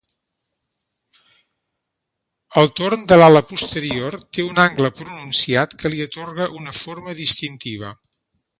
El torn de l'ala posterior té un angle pronunciat que li atorga una forma distintiva.